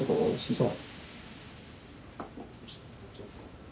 そう。